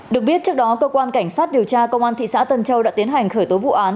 được biết trước đó cơ quan cảnh sát điều tra công an thị xã tân châu đã tiến hành khởi tố vụ án